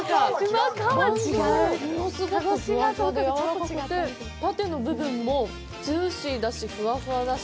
バンズも物すごくふわふわで、やわらかくてパテの部分もジューシーだし、ふわふわだし。